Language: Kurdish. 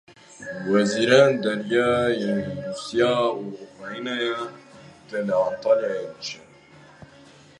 Wezîrên derve yên Rûsya û Ukraynayê dê li Antalyayê bicivin.